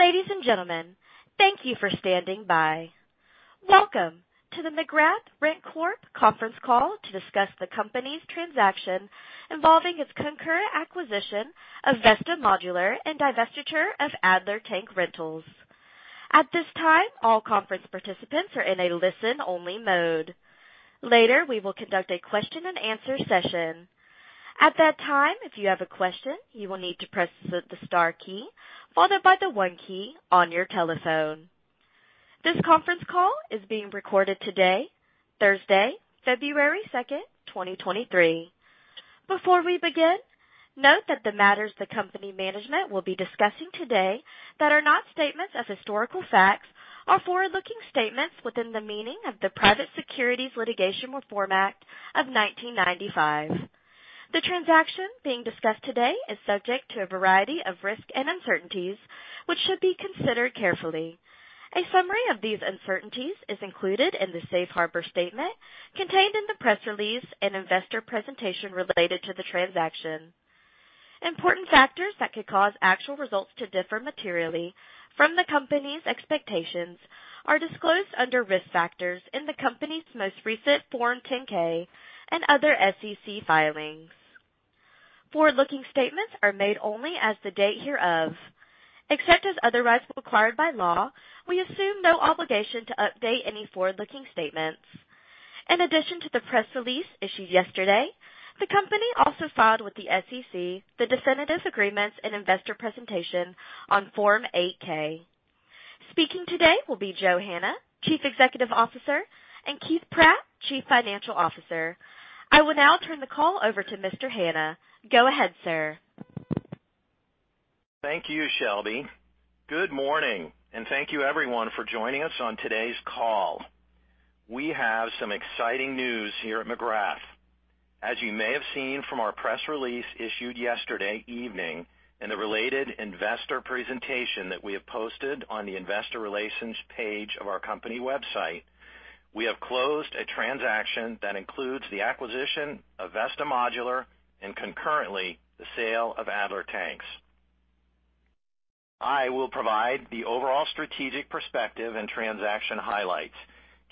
Ladies and gentlemen, thank you for standing by. Welcome to the McGrath RentCorp Conference Call to discuss the company's transaction involving its concurrent acquisition of Vesta Modular and divestiture of Adler Tank Rentals. At this time, all conference participants are in a listen-only mode. Later, we will conduct a question and answer session. At that time, if you have a question, you will need to press the star key followed by the one key on your telephone. This conference call is being recorded today, Thursday, February 2nd, 2023. Before we begin, note that the matters the company management will be discussing today that are not statements of historical facts are forward-looking statements within the meaning of the Private Securities Litigation Reform Act of 1995. The transaction being discussed today is subject to a variety of risks and uncertainties, which should be considered carefully. A summary of these uncertainties is included in the safe harbor statement contained in the press release and investor presentation related to the transaction. Important factors that could cause actual results to differ materially from the company's expectations are disclosed under Risk Factors in the company's most recent Form 10-K and other SEC filings. Forward-looking statements are made only as the date hereof. Except as otherwise required by law, we assume no obligation to update any forward-looking statements. In addition to the press release issued yesterday, the company also filed with the SEC the definitive agreements and investor presentation on Form 8-K. Speaking today will be Joe Hanna, Chief Executive Officer, and Keith Pratt, Chief Financial Officer. I will now turn the call over to Mr. Hanna. Go ahead, sir. Thank you, Shelby. Good morning, thank you everyone for joining us on today's call. We have some exciting news here at McGrath. As you may have seen from our press release issued yesterday evening and the related investor presentation that we have posted on the investor relations page of our company website, we have closed a transaction that includes the acquisition of Vesta Modular and concurrently, the sale of Adler Tanks. I will provide the overall strategic perspective and transaction highlights.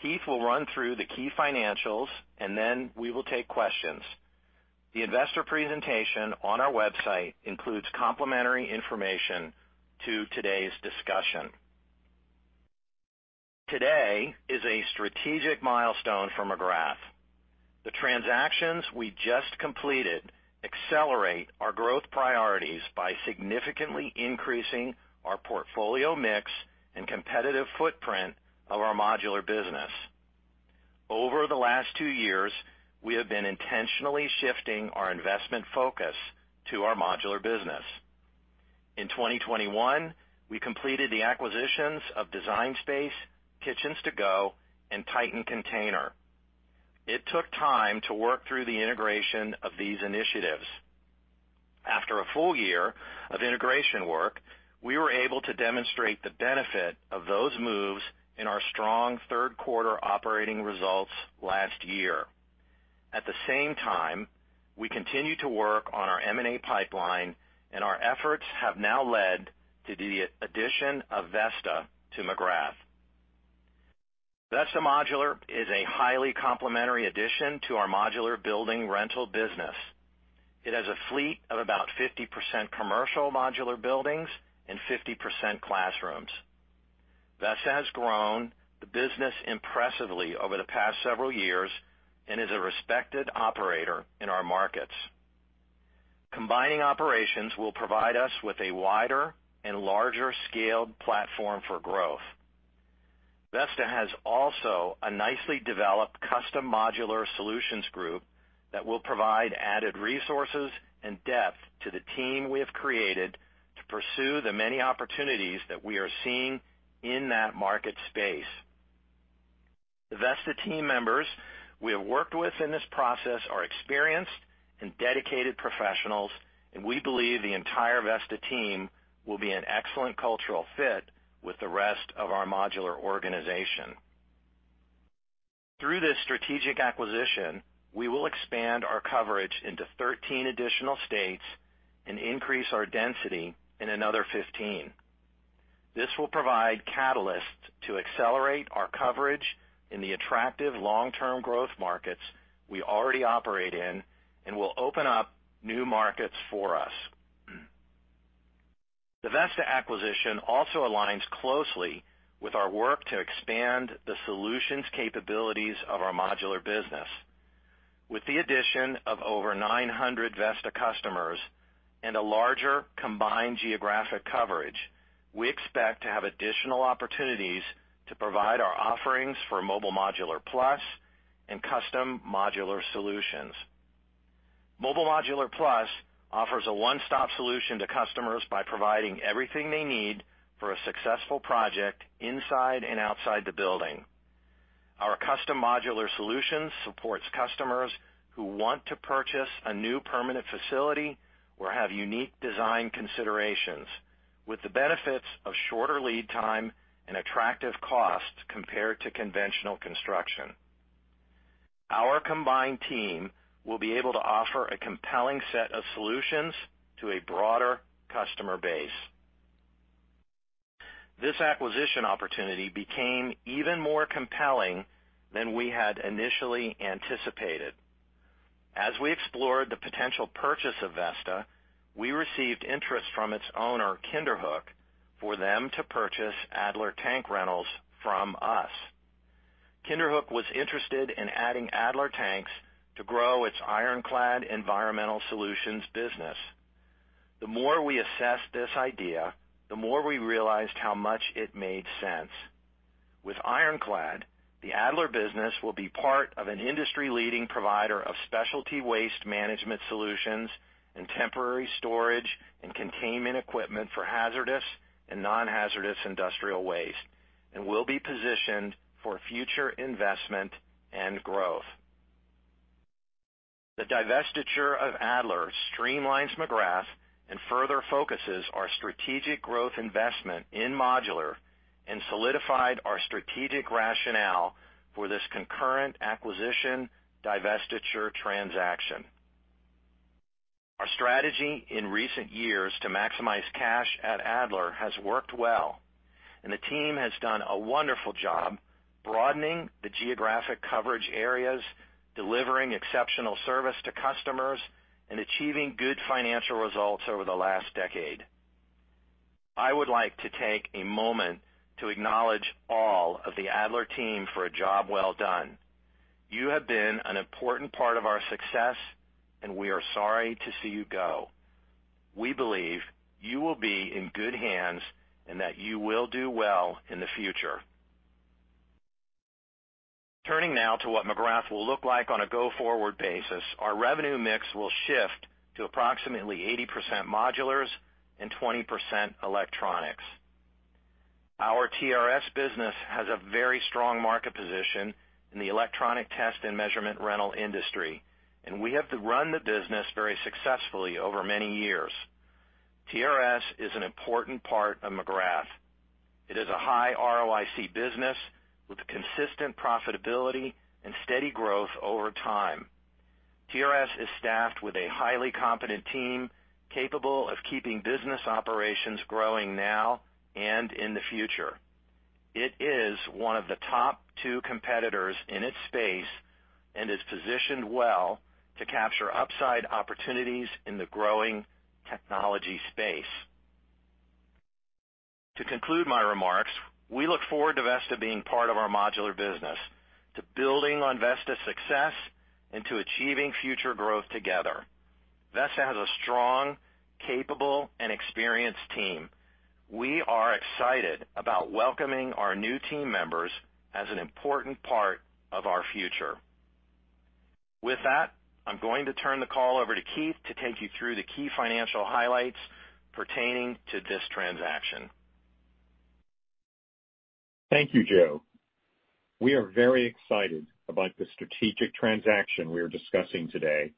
Keith will run through the key financials, then we will take questions. The investor presentation on our website includes complimentary information to today's discussion. Today is a strategic milestone for McGrath. The transactions we just completed accelerate our growth priorities by significantly increasing our portfolio mix and competitive footprint of our modular business. Over the last two years, we have been intentionally shifting our investment focus to our modular business. In 2021, we completed the acquisitions of Design Space, Kitchens To Go, and TITAN Container. It took time to work through the integration of these initiatives. After a full year of integration work, we were able to demonstrate the benefit of those moves in our strong third quarter operating results last year. At the same time, we continued to work on our M&A pipeline, and our efforts have now led to the addition of Vesta to McGrath. Vesta Modular is a highly complementary addition to our modular building rental business. It has a fleet of about 50% commercial modular buildings and 50% classrooms. Vesta has grown the business impressively over the past several years and is a respected operator in our markets. Combining operations will provide us with a wider and larger scaled platform for growth. Vesta has also a nicely developed custom modular solutions group that will provide added resources and depth to the team we have created to pursue the many opportunities that we are seeing in that market space. The Vesta team members we have worked with in this process are experienced and dedicated professionals, and we believe the entire Vesta team will be an excellent cultural fit with the rest of our modular organization. Through this strategic acquisition, we will expand our coverage into 13 additional states and increase our density in another 15. This will provide catalysts to accelerate our coverage in the attractive long-term growth markets we already operate in and will open up new markets for us. The Vesta acquisition also aligns closely with our work to expand the solutions capabilities of our modular business. With the addition of over 900 Vesta customers and a larger combined geographic coverage, we expect to have additional opportunities to provide our offerings for Mobile Modular Plus and custom modular solutions. Mobile Modular Plus offers a one-stop solution to customers by providing everything they need for a successful project inside and outside the building. Our custom modular solutions supports customers who want to purchase a new permanent facility or have unique design considerations with the benefits of shorter lead time and attractive cost compared to conventional construction. Our combined team will be able to offer a compelling set of solutions to a broader customer base. This acquisition opportunity became even more compelling than we had initially anticipated. As we explored the potential purchase of Vesta, we received interest from its owner, Kinderhook, for them to purchase Adler Tank Rentals from us. Kinderhook was interested in adding Adler Tanks to grow its Ironclad Environmental Solutions business. The more we assessed this idea, the more we realized how much it made sense. With Ironclad, the Adler business will be part of an industry-leading provider of Specialty Waste Management Solutions and temporary storage and containment equipment for hazardous and non-hazardous industrial waste and will be positioned for future investment and growth. The divestiture of Adler streamlines McGrath and further focuses our strategic growth investment in modular and solidified our strategic rationale for this concurrent acquisition divestiture transaction. Our strategy in recent years to maximize cash at Adler has worked well, and the team has done a wonderful job broadening the geographic coverage areas, delivering exceptional service to customers, and achieving good financial results over the last decade. I would like to take a moment to acknowledge all of the Adler team for a job well done. You have been an important part of our success, and we are sorry to see you go. We believe you will be in good hands and that you will do well in the future. Turning now to what McGrath will look like on a go-forward basis. Our revenue mix will shift to approximately 80% modulars and 20% electronics. Our TRS business has a very strong market position in the electronic test and measurement rental industry, and we have run the business very successfully over many years. TRS is an important part of McGrath. It is a high ROIC business with consistent profitability and steady growth over time. TRS is staffed with a highly competent team capable of keeping business operations growing now and in the future. It is one of the top two competitors in its space and is positioned well to capture upside opportunities in the growing technology space. To conclude my remarks, we look forward to Vesta being part of our modular business, to building on Vesta's success, and to achieving future growth together. Vesta has a strong, capable, and experienced team. We are excited about welcoming our new team members as an important part of our future. I'm going to turn the call over to Keith to take you through the key financial highlights pertaining to this transaction. Thank you, Joe. We are very excited about the strategic transaction we are discussing today.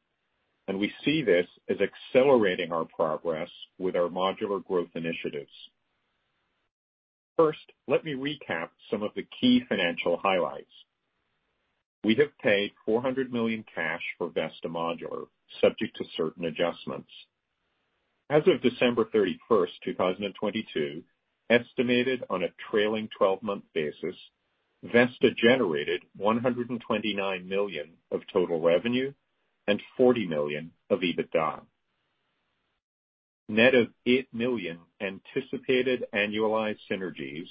We see this as accelerating our progress with our modular growth initiatives. First, let me recap some of the key financial highlights. We have paid $400 million cash for Vesta Modular, subject to certain adjustments. As of December 31, 2022, estimated on a trailing 12-month basis, Vesta generated $129 million of total revenue and $40 million of EBITDA. Net of $8 million anticipated annualized synergies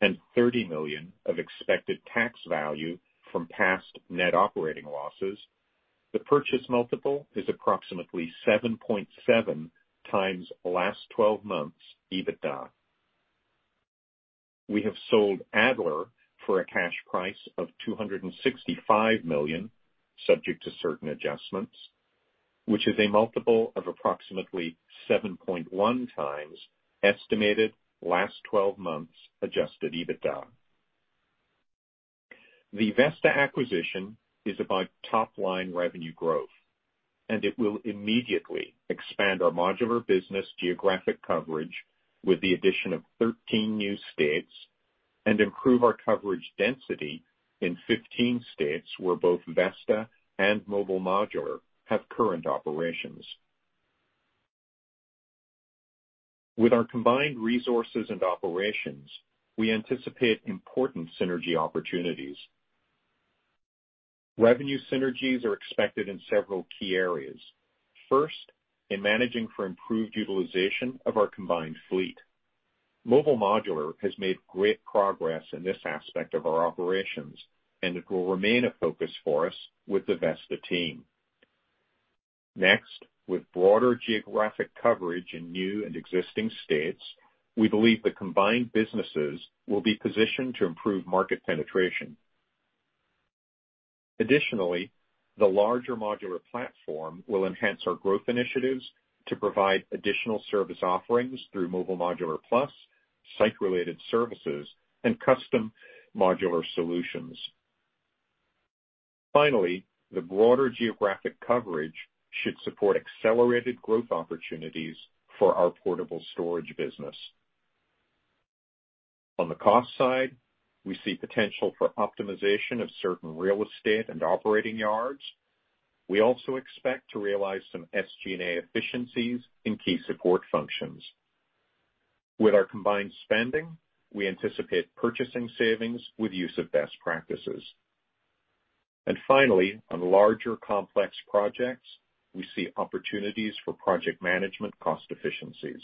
and $30 million of expected tax value from past net operating losses, the purchase multiple is approximately 7.7x last 12 months EBITDA. We have sold Adler for a cash price of $265 million, subject to certain adjustments, which is a multiple of approximately 7.1x estimated last 12 months adjusted EBITDA. The Vesta acquisition is about top-line revenue growth. It will immediately expand our modular business geographic coverage with the addition of 13 new states and improve our coverage density in 15 states where both Vesta and Mobile Modular have current operations. With our combined resources and operations, we anticipate important synergy opportunities. Revenue synergies are expected in several key areas. First, in managing for improved utilization of our combined fleet. Mobile Modular has made great progress in this aspect of our operations. It will remain a focus for us with the Vesta team. Next, with broader geographic coverage in new and existing states, we believe the combined businesses will be positioned to improve market penetration. Additionally, the larger modular platform will enhance our growth initiatives to provide additional service offerings through Mobile Modular Plus, site-related services, and custom modular solutions. The broader geographic coverage should support accelerated growth opportunities for our Portable Storage business. On the cost side, we see potential for optimization of certain real estate and operating yards. We also expect to realize some SG&A efficiencies in key support functions. With our combined spending, we anticipate purchasing savings with use of best practices. Finally, on larger complex projects, we see opportunities for project management cost efficiencies.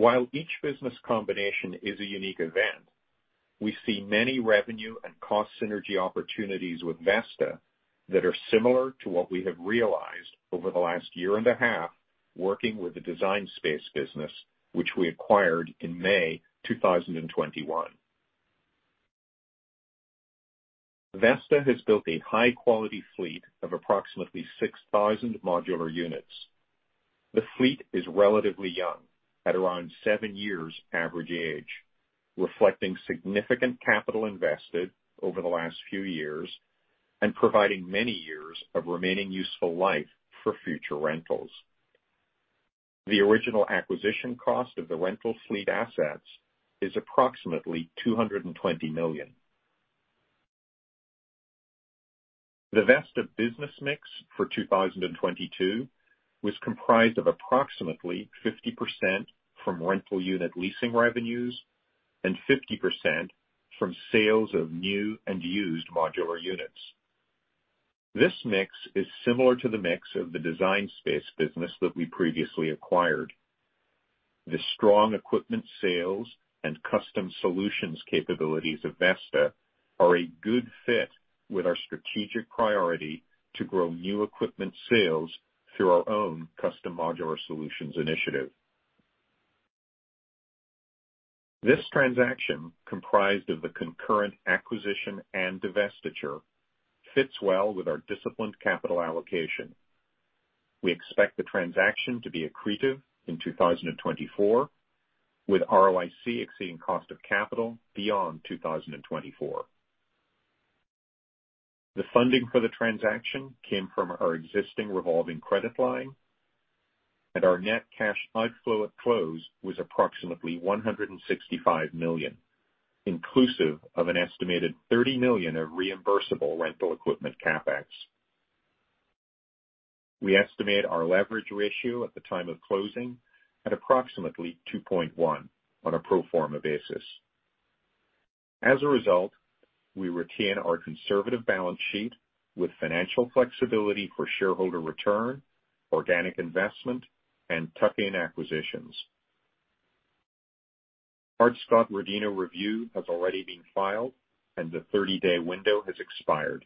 While each business combination is a unique event, we see many revenue and cost synergy opportunities with Vesta that are similar to what we have realized over the last year and a half working with the Design Space business, which we acquired in May 2021. Vesta has built a high quality fleet of approximately 6,000 modular units. The fleet is relatively young at around 7 years average age, reflecting significant capital invested over the last few years and providing many years of remaining useful life for future rentals. The original acquisition cost of the rental fleet assets is approximately $220 million. The Vesta business mix for 2022 was comprised of approximately 50% from rental unit leasing revenues and 50% from sales of new and used modular units. This mix is similar to the mix of the Design Space business that we previously acquired. The strong equipment sales and custom solutions capabilities of Vesta are a good fit with our strategic priority to grow new equipment sales through our own custom modular solutions initiative. This transaction, comprised of the concurrent acquisition and divestiture, fits well with our disciplined capital allocation. We expect the transaction to be accretive in 2024, with ROIC exceeding cost of capital beyond 2024. The funding for the transaction came from our existing revolving credit line, and our net cash outflow at close was approximately $165 million, inclusive of an estimated $30 million of reimbursable rental equipment CapEx. We estimate our leverage ratio at the time of closing at approximately 2.1 on a pro forma basis. As a result, we retain our conservative balance sheet with financial flexibility for shareholder return, organic investment, and tuck-in acquisitions. Hart-Scott-Rodino review has already been filed, and the 30-day window has expired.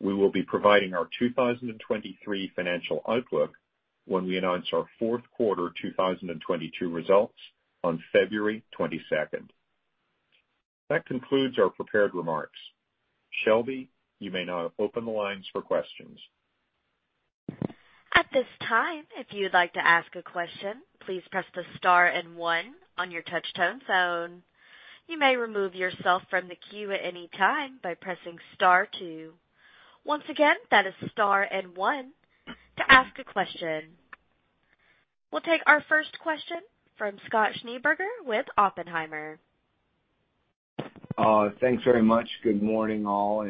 We will be providing our 2023 financial outlook when we announce our fourth quarter 2022 results on February 22nd. That concludes our prepared remarks. Shelby, you may now open the lines for questions. At this time, if you'd like to ask a question, please press the star and one on your touch-tone phone. You may remove yourself from the queue at any time by pressing star two. Once again, that is star and one to ask a question. We'll take our first question from Scott Schneeberger with Oppenheimer. Thanks very much. Good morning, all,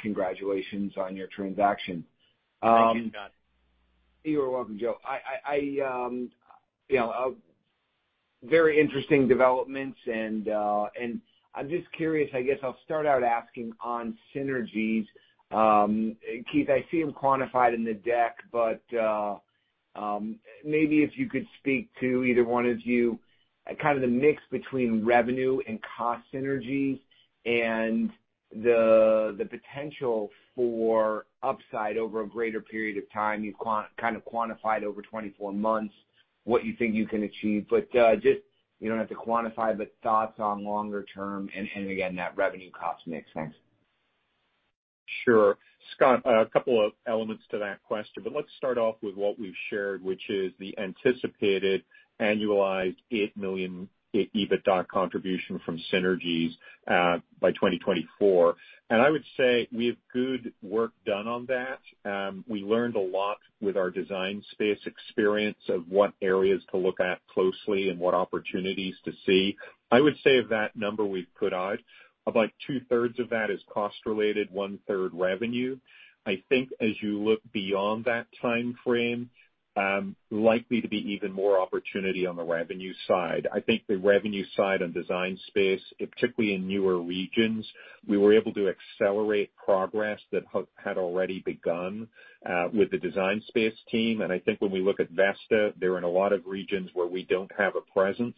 congratulations on your transaction. Thank you, Scott. You are welcome, Joe. You know, very interesting developments, I'm just curious, I guess I'll start out asking on synergies. Keith, I see them quantified in the deck, maybe if you could speak to either one of you, kind of the mix between revenue and cost synergies and the potential for upside over a greater period of time. You've kind of quantified over 24 months what you think you can achieve. Just, you don't have to quantify, but thoughts on longer term and again, that revenue cost mix. Thanks. Sure. Scott, a couple of elements to that question, but let's start off with what we've shared, which is the anticipated annualized $8 million EBITDA contribution from synergies by 2024. I would say we have good work done on that. We learned a lot with our Design Space experience of what areas to look at closely and what opportunities to see. I would say of that number we've put out, about two-thirds of that is cost related, one-third revenue. I think as you look beyond that timeframe, likely to be even more opportunity on the revenue side. I think the revenue side on Design Space, particularly in newer regions, we were able to accelerate progress that had already begun with the Design Space team. I think when we look at Vesta, they're in a lot of regions where we don't have a presence,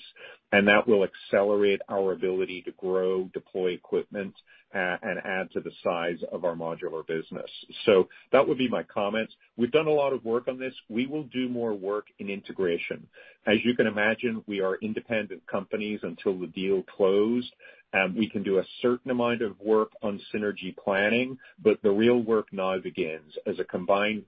and that will accelerate our ability to grow, deploy equipment, and add to the size of our modular business. That would be my comments. We've done a lot of work on this. We will do more work in integration. As you can imagine, we are independent companies until the deal closed, and we can do a certain amount of work on synergy planning, but the real work now begins. As a combined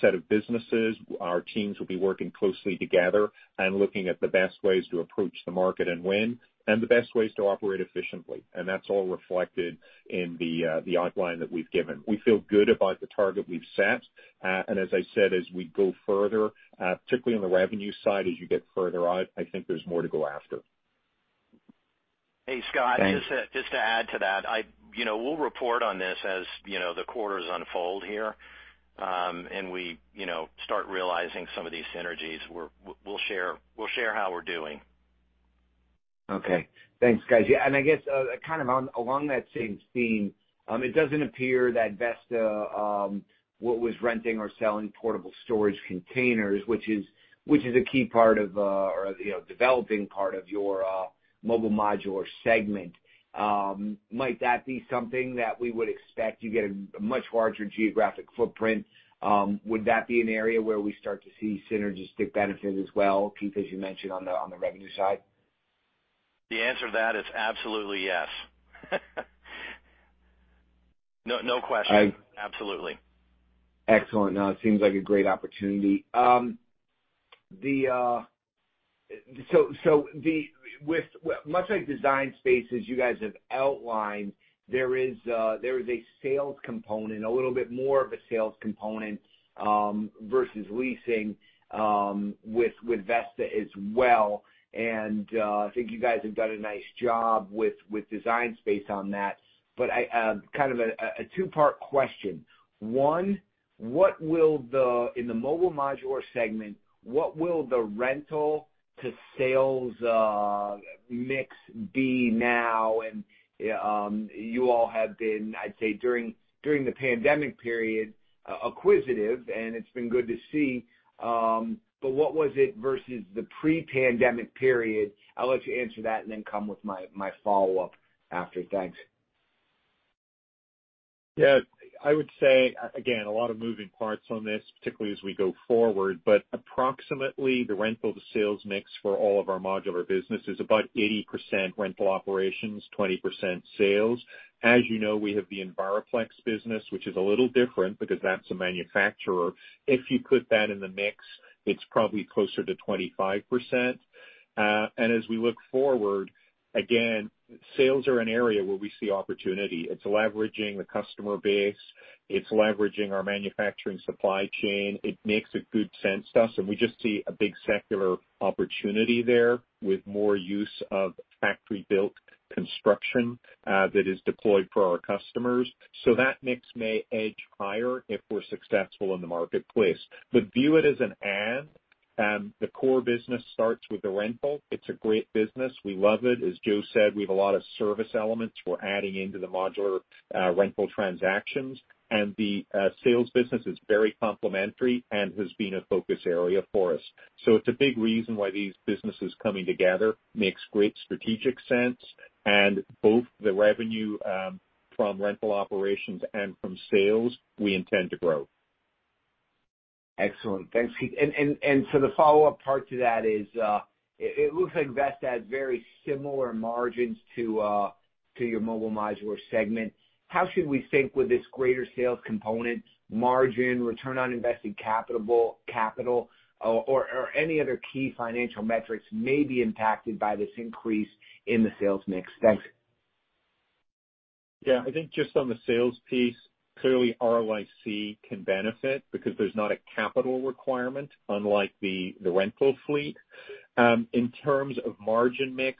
set of businesses, our teams will be working closely together and looking at the best ways to approach the market and win, and the best ways to operate efficiently. That's all reflected in the outline that we've given. We feel good about the target we've set. As I said, as we go further, particularly on the revenue side, as you get further out, I think there's more to go after. Hey, Scott, just to add to that, you know, we'll report on this as, you know, the quarters unfold here. We, you know, start realizing some of these synergies. We'll share how we're doing. Okay. Thanks, guys. Yeah, I guess, kind of on along that same theme, it doesn't appear that Vesta, what was renting or selling portable storage containers, which is a key part of, or, you know, developing part of your, Mobile Modular segment. Might that be something that we would expect you get a much larger geographic footprint? Would that be an area where we start to see synergistic benefits as well, Keith, as you mentioned on the, on the revenue side? The answer to that is absolutely yes. No, no question. I- Absolutely. Excellent. No, it seems like a great opportunity. The much like Design Space you guys have outlined, there is a sales component, a little bit more of a sales component versus leasing with Vesta as well. I think you guys have done a nice job with Design Space on that. I kind of a two-part question. One, in the Mobile Modular segment, what will the rental to sales mix be now? You all have been, I'd say, during the pandemic period, acquisitive, and it's been good to see. What was it versus the pre-pandemic period? I'll let you answer that and then come with my follow up after. Thanks. Yeah. I would say, again, a lot of moving parts on this, particularly as we go forward. Approximately the rental to sales mix for all of our modular business is about 80% rental operations, 20% sales. As you know, we have the Enviroplex business, which is a little different because that's a manufacturer. If you put that in the mix, it's probably closer to 25%. As we look forward, again, sales are an area where we see opportunity. It's leveraging the customer base. It's leveraging our manufacturing supply chain. It makes a good sense to us, and we just see a big secular opportunity there with more use of factory built construction, that is deployed for our customers. That mix may edge higher if we're successful in the marketplace. View it as an add. The core business starts with the rental. It's a great business. We love it. As Joe said, we have a lot of service elements we're adding into the modular rental transactions. The sales business is very complementary and has been a focus area for us. It's a big reason why these businesses coming together makes great strategic sense. Both the revenue from rental operations and from sales, we intend to grow. Excellent. Thanks, Keith. The follow up part to that is, it looks like Vesta has very similar margins to your Mobile Modular segment. How should we think with this greater sales component, margin, return on investing capital or any other key financial metrics may be impacted by this increase in the sales mix? Thanks. Yeah. I think just on the sales piece, clearly ROIC can benefit because there's not a capital requirement unlike the rental fleet. In terms of margin mix,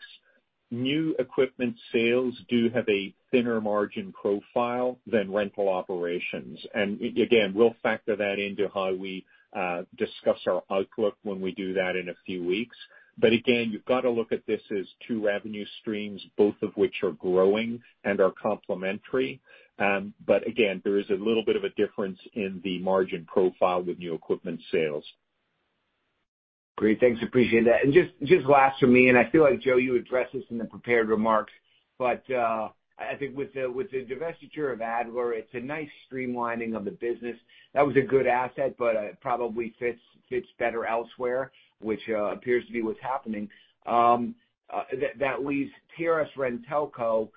new equipment sales do have a thinner margin profile than rental operations. Again, we'll factor that into how we discuss our outlook when we do that in a few weeks. Again, you've got to look at this as two revenue streams, both of which are growing and are complementary. Again, there is a little bit of a difference in the margin profile with new equipment sales. Great. Thanks. Appreciate that. Just last for me, and I feel like, Joe, you addressed this in the prepared remarks, but, I think with the divestiture of Adler, it's a nice streamlining of the business. That was a good asset, but, it probably fits better elsewhere, which appears to be what's happening. That leaves TRS-RenTelco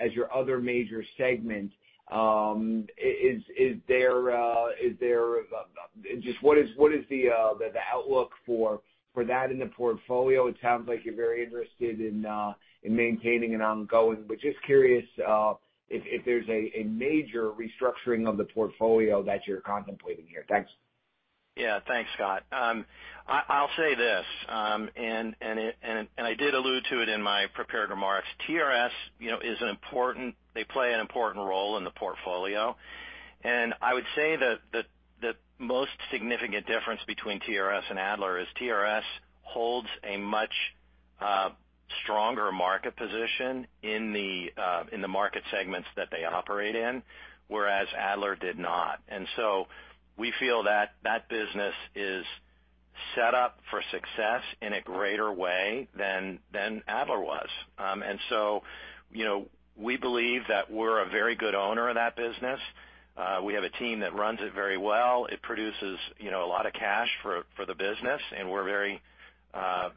as your other major segment. Is there, just what is the outlook for that in the portfolio? It sounds like you're very interested in maintaining it ongoing. Just curious if there's a major restructuring of the portfolio that you're contemplating here. Thanks. Yeah. Thanks, Scott. I'll say this, I did allude to it in my prepared remarks. TRS, you know, they play an important role in the portfolio. I would say that the most significant difference between TRS and Adler is TRS holds a much stronger market position in the market segments that they operate in, whereas Adler did not. We feel that business is set up for success in a greater way than Adler was. You know, we believe that we're a very good owner of that business. We have a team that runs it very well. It produces, you know, a lot of cash for the business, and we're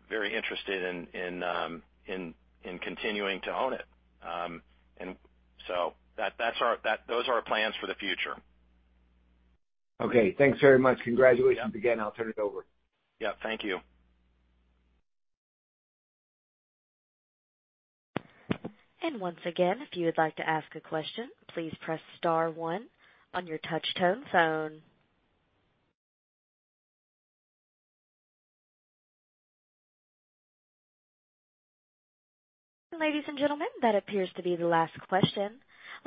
very interested in continuing to own it. Those are our plans for the future. Okay. Thanks very much. Congratulations again. I'll turn it over. Yeah, thank you. Once again, if you would like to ask a question, please press star one on your touch tone phone. Ladies and gentlemen, that appears to be the last question.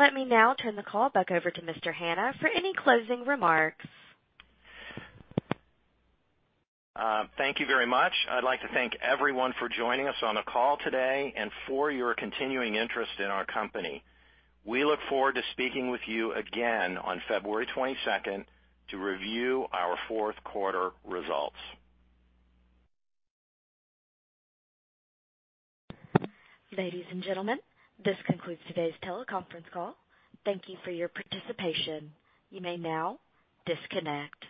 Let me now turn the call back over to Mr. Hanna for any closing remarks. Thank you very much. I'd like to thank everyone for joining us on the call today and for your continuing interest in our company. We look forward to speaking with you again on February 22nd to review our fourth quarter results. Ladies and gentlemen, this concludes today's teleconference call. Thank you for your participation. You may now disconnect.